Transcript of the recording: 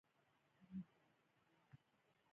د ښې ښځینه لوبغاړې جایزه ترلاسه کړه